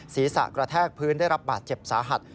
ศีรษะกระแทกพื้นได้รับบาดเจ็บสาหัส